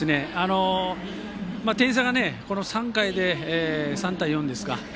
点差がこの３回で３対４ですか。